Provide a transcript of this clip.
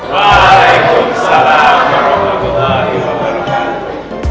waalaikumsalam warahmatullahi wabarakatuh